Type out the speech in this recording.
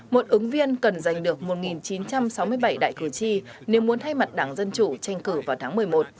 một ứng viên cần giành được một chín trăm sáu mươi bảy đại cử tri nếu muốn thay mặt đảng dân chủ tranh cử vào tháng một mươi một